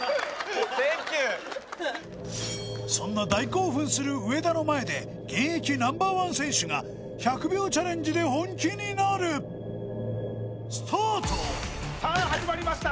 センキューそんな大興奮する上田の前で現役Ｎｏ．１選手が１００秒チャレンジで本気になるさあ始まりました